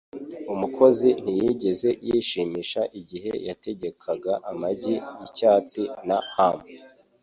Umukozi ntiyigeze yishimisha igihe yategekaga amagi y'icyatsi na ham.